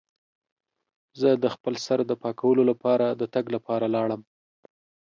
زه د خپل سر د پاکولو لپاره د تګ لپاره لاړم.